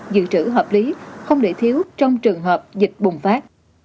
dự trữ hợp lý không để thiếu trong trường hợp dịch bùng phát